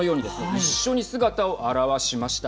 一緒に姿を現しました。